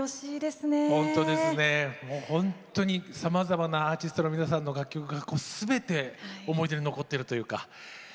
さまざまなアーティストの皆さんの楽曲がすべて思い出に残っているというか。